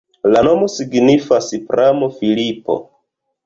La nomo signifas pramo-Filipo.